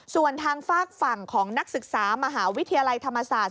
ส่วนทางฝากฝั่งของนักศึกษามหาวิทยาลัยธรรมศาสตร์